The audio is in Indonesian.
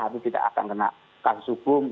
kami tidak akan kena kasus hukum